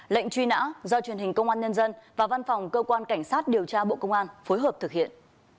lệnh truy nã do truyền hình công an nhân dân và văn phòng cơ quan cảnh sát điều tra bộ công an phối hợp thực hiện